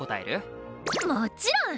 もちろん！